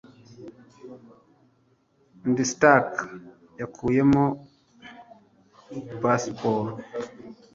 Ndi Stark Yakuyemo pasiporo